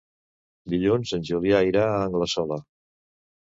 Dilluns en Julià irà a Anglesola.